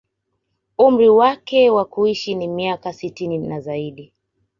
Umri wake wa kuishi ni miaka sitini na zaidi